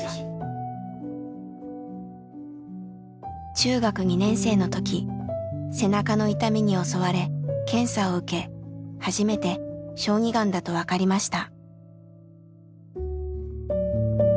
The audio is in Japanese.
中学２年生の時背中の痛みに襲われ検査を受け初めて小児がんだと分かりました。